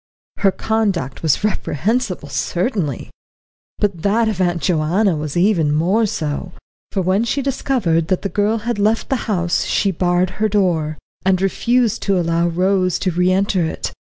Her conduct was reprehensible certainly. But that of Aunt Joanna was even more so, for when she discovered that the girl had left the house she barred her door, and refused to allow Rose to re enter it.